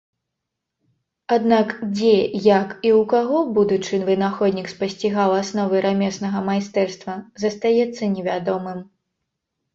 Аднак, дзе, як і ў каго будучы вынаходнік спасцігаў асновы рамеснага майстэрства, застаецца невядомым.